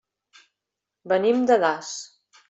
Venim de Das.